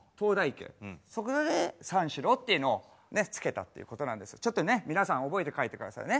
そこで三四郎っていうのを付けたっていうことなんですけどちょっとね皆さん覚えて帰って下さいね